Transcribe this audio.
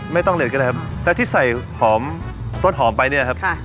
ไม่ต้องเห็ดก็ได้ครับแล้วที่ใส่หอมต้นหอมไปเนี่ยครับ